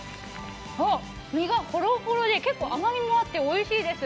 身がほろほろで、結構甘みもあって、おいしいです。